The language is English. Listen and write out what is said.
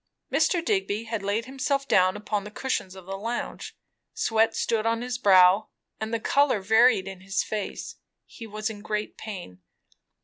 Mr. Digby had laid himself down upon the cushions of the lounge; sweat stood on his brow, and the colour varied in his face. He was in great pain.